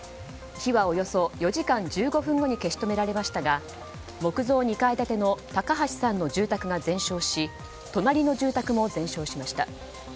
火はおよそ４時間１５分後に消し止められましたが木造２階建ての高橋さんの住宅が全焼し隣の住宅も全焼しました。